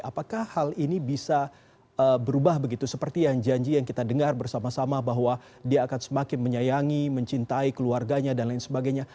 apakah hal ini bisa berubah begitu seperti yang janji yang kita dengar bersama sama bahwa dia akan semakin menyayangi mencintai keluarganya dan lain sebagainya